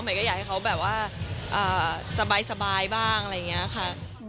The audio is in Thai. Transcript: ก็อยากให้เขาแบบว่าสบายบ้างอะไรอย่างนี้ค่ะ